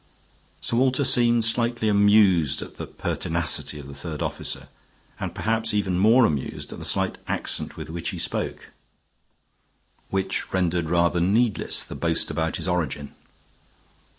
Sir Walter seemed slightly amused at the pertinacity of the third officer, and perhaps even more amused at the slight accent with which he spoke, which rendered rather needless his boast about his origin.